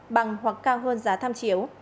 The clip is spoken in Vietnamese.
bằng hoặc cao hơn giá tham chiếu